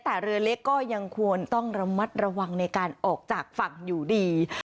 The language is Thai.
แต่เรือเล็กก็ยังควรต้องระมัดระวังในการออกจากฝั่งอยู่ดี